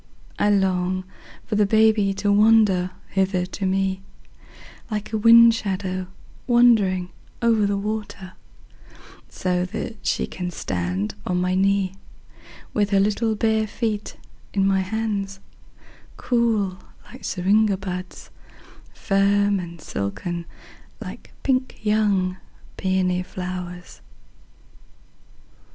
I long for the baby to wander hither to meLike a wind shadow wandering over the water, So that she can stand on my kneeWith her little bare feet in my hands, Cool like syringa buds, Firm and silken like pink young peony flowers.